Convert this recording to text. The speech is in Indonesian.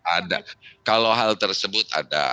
ada kalau hal tersebut ada